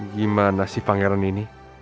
gimana sih pangeran ini